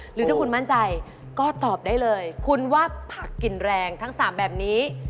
หรือถ้าคุณมั่นใจก็ตอบได้เลยคุณว่าผักกินแรงทั้ง๓แบบนี้